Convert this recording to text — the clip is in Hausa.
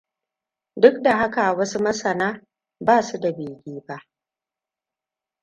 Duk da haka, wasu masana ba su da bege ba.